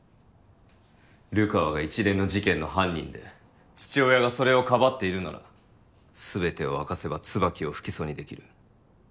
流川が一連の事件の犯人で父親がそれを庇っているならすべてを明かせば椿を不起訴にできる。